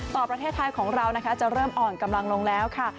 ประเทศไทยของเรานะคะจะเริ่มอ่อนกำลังลงแล้วค่ะ